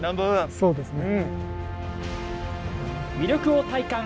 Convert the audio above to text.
そうですね。